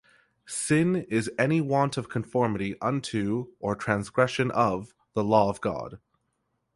Sin is any want of conformity unto, or transgression of, the law of God.